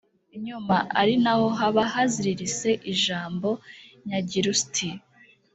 nyuma, ari na ho haba hazirirse ijambo nyagirusti